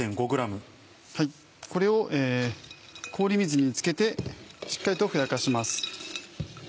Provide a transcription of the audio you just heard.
これを氷水に漬けてしっかりとふやかします。